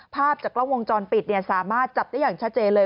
ภาพจากกล้องวงจรปิดสามารถจับได้อย่างชัดเจนเลย